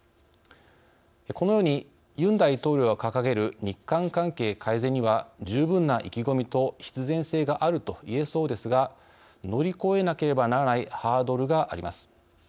このように、ユン大統領が掲げる日韓関係改善には十分な意気込みと必然性があると言えそうですが乗り越えなければならないハードルがあります。